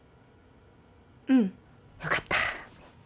うんよかった